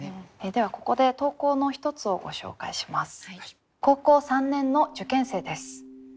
ではここで投稿の一つをご紹介します。